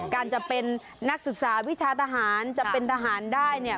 การจะเป็นนักศึกษาวิชาทหารจะเป็นทหารได้เนี่ย